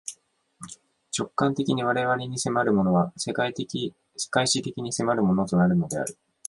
直観的に我々に迫るものは、世界史的に迫るものとなるのである。